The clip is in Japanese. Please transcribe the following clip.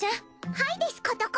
はいですことこ！